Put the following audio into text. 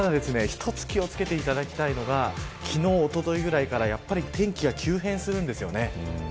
一つ気を付けていただきたいのが昨日、おとといぐらいから天気が急変するんです。